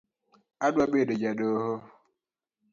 Adwa bedo ja doho